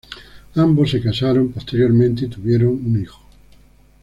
Ambos se casaron posteriormente y tuvieron un hijo.